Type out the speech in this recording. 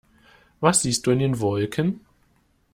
Was siehst du in den Wolken?